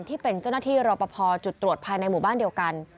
ที่เป็นเจ้าหน้าที่รอปภจุดตรวจภายในหมู่บ้านเดียวกัน